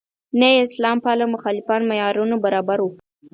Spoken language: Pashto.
نه یې اسلام پاله مخالفان معیارونو برابر وو.